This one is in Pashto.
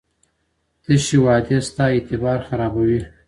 تشې وعدې ستا اعتبار خرابوي.